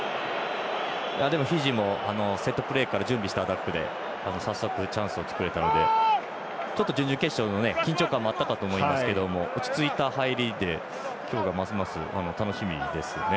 でもフィジーもセットプレーから準備したアタックで早速、チャンスを作れたので準々決勝の緊張感もあったかと思いますけど落ち着いた入りで今日がますます楽しみですね。